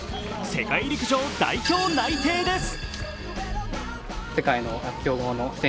世界陸上代表内定です。